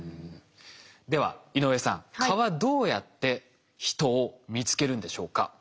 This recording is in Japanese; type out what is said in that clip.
では井上さん蚊はどうやって人を見つけるんでしょうか？